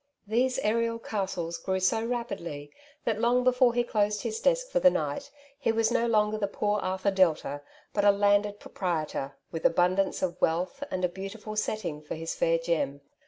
These aerial castles grew so rapidly, that long before he closed his desk for the night, he was no longer the poor Arthur Delta, but a landed pro prietor, with abundance of wealth, and a beautiful setting for his fair gem.